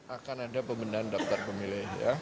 akan ada pembendahan daftar pemilih